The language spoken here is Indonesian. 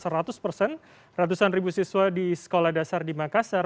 ratusan ribu siswa di sekolah dasar di makassar